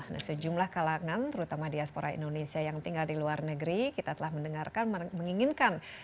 nah sejumlah kalangan terutama diaspora indonesia yang tinggal di luar negeri kita telah mendengarkan menginginkan